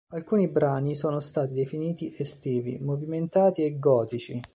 Alcuni brani sono stati definiti "estivi", "movimentati" e "gotici".